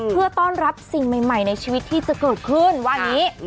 เพื่อต้อนรับสิ่งใหม่ในชีวิตที่จะเกิดขึ้นว่าอย่างนี้